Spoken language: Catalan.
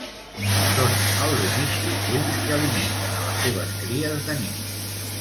Són els únics pingüins que alimenten a les seves cries de nit.